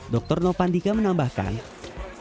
dr novandika menunjukkan bahwa